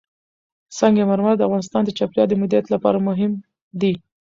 سنگ مرمر د افغانستان د چاپیریال د مدیریت لپاره مهم دي.